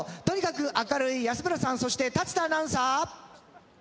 とにかく明るい安村さんそして立田アナウンサー。